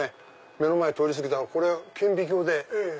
目の前通り過ぎたら顕微鏡で。